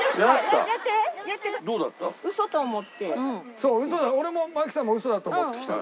そう嘘俺も槙さんも嘘だと思って来たの。